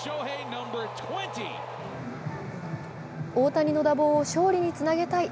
大谷の打棒を勝利につなげたい